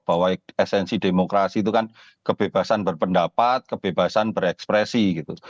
bahwa esensi demokrasi itu kan kebebasan berpendapat kebebasan berekspresi gitu